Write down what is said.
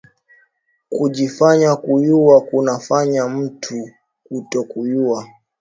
Kuji fanya kuyuwa kuna fanya mutu kuto kuyuwa